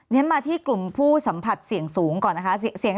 มาที่กลุ่มผู้สัมผัสเสี่ยงสูงก่อนนะคะ